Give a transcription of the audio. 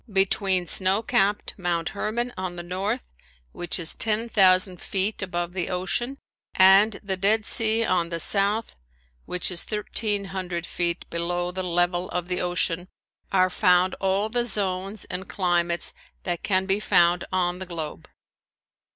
Between snow capped Mount Herman on the north, which is ten thousand feet above the ocean, and the Dead Sea on the south, which is thirteen hundred feet below the level of the ocean, are found all the zones and climates that can be found on the globe.